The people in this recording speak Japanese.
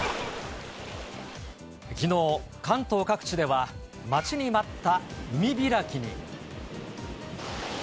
きのう、関東各地では、待ちに待った海開きに。